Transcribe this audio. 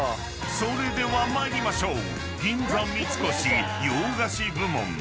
［それでは参りましょう］